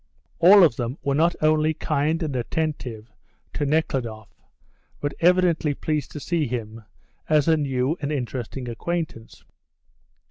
All of them were not only kind and attentive to Nekhludoff, but evidently pleased to see him, as a new and interesting acquaintance.